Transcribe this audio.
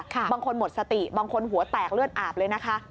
บางคนหมดสติบางคนหัวแตกเลือดอาบเลยนะคะ